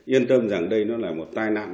yên tâm rằng đây là một tai nạn